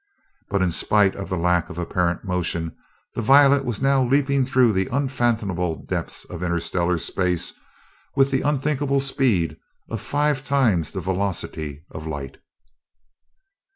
But in spite of the lack of apparent motion, the Violet was now leaping through the unfathomable depths of interstellar space with the unthinkable speed of five times the velocity of light!